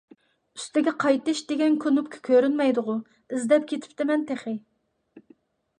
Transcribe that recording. «ئۈستىگە قايتىش» دېگەن كۇنۇپكا كۆرۈنمەيدىغۇ؟ ئىزدەپ كېتىپتىمەن تېخى.